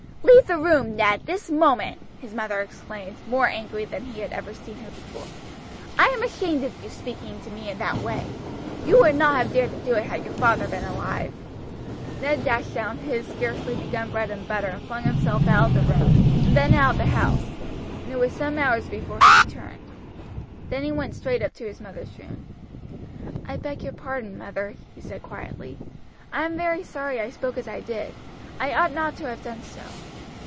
"Leave the room, Ned, this moment," his mother exclaimed, more angry than he had ever seen her before. "I am ashamed of you speaking to me in that way. You would not have dared to do it had your father been alive." Ned dashed down his scarcely begun bread and butter and flung himself out of the room, and then out of the house, and it was some hours before he returned. Then he went straight up to his mother's room. "I beg your pardon, mother," he said quietly. "I am very sorry I spoke as I did. I ought not to have done so."